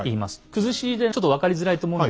崩し字でちょっと分かりづらいと思うんですが